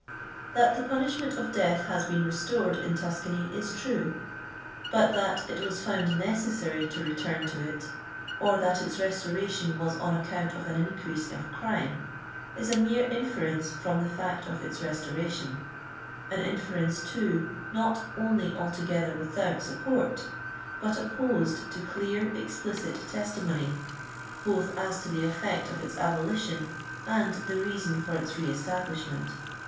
That the punishment of death has been restored in Tuscany is true; but that "it was found necessary to return to it," or that its restoration was on account of an increase of crime, is a Ifiere inference from the fact of its restoration ; an inference, too, not only altogether without support, but opposed to clear, explicit testimony, both as to the e€ect of its abolition and the reason for its re establishment.